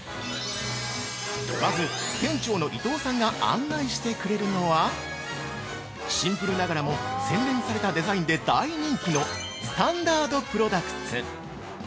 まず、店長の伊東さんが案内してくれるのはシンプルながらも洗練されたデザインで大人気のスタンダードプロダクツ。